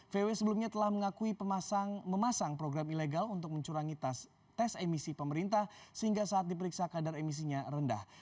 vw sebelumnya telah mengakui memasang program ilegal untuk mencurangi tes emisi pemerintah sehingga saat diperiksa kadar emisinya rendah